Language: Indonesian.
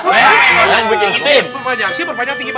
tinggi badannya juga